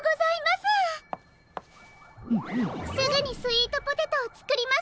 すぐにスイートポテトをつくりますわ。